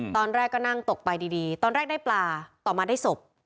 ตอนแรกก็นั่งตกไปดีตอนแรกได้ปลาต่อมาได้ศพ